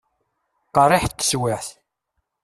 Qerriḥet teswiεt.